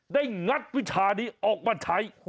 งัดวิชานี้ออกมาใช้